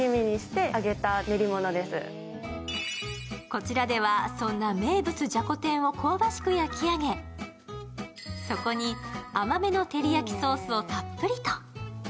こちらでは、そんな名物・じゃこ天を香ばしく焼き上げ、そこに甘めの照り焼きソースをたっぷりと。